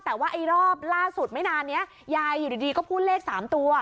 แต่ว่าไอ้รอบล่าสุดไม่นานนี้ยายอยู่ดีก็พูดเลข๓ตัว